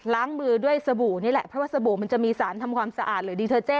ล้างมือด้วยสบู่นี่แหละเพราะว่าสบู่มันจะมีสารทำความสะอาดหรือดีเทอร์เจ